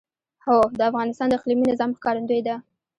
هوا د افغانستان د اقلیمي نظام ښکارندوی ده.